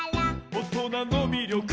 「おとなのみりょく」